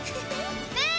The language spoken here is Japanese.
ねえ！